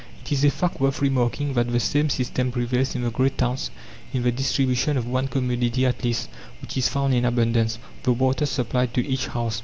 It is a fact worth remarking that the same system prevails in the great towns in the distribution of one commodity at least, which is found in abundance, the water supplied to each house.